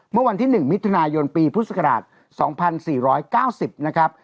เมื่อวันที่หนึ่งมิถุนายนปีพฤษกราช๒๔๙๐นะครับ